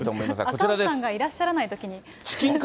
赤星さんがいらっしゃらないときに。